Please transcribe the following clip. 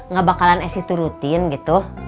gak bakalan s itu rutin gitu